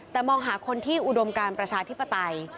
แต่มองหาคนที่อุดมการประชาธิปไตย